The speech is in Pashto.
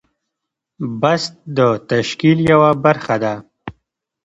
بست د تشکیل یوه برخه ده.